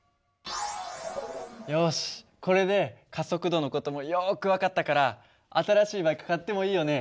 よしこれで加速度の事もよく分かったから新しいバイク買ってもいいよね？